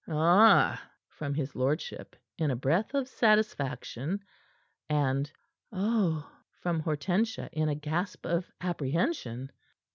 "Ah!" from his lordship in a breath of satisfaction, and "Ah!" from Hortensia in a gasp of apprehension.